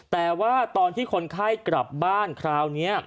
แต่ว่าตอนที่คนไข้กลับบ้านคราวนี้